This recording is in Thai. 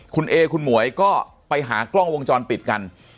คุณเอคุณหมวยก็ไปหากล้องวงจรปิดกัน